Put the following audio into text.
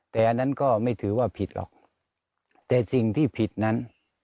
แต่อันนั้นก็ไม่ถือว่าผิดหรอกแต่สิ่งที่ผิดนั้น